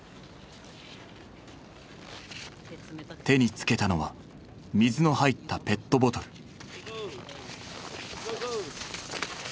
手につけたのは水の入ったペットボトル。